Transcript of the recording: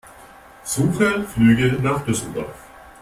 Suche Flüge nach Düsseldorf.